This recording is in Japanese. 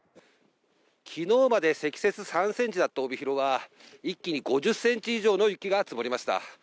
きのうまで積雪３センチだった帯広は、一気に５０センチ以上の雪が積もりました。